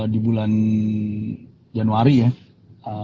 di bulan januari ya